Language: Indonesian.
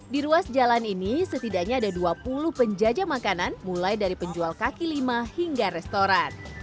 di ruas jalan ini setidaknya ada dua puluh penjajah makanan mulai dari penjual kaki lima hingga restoran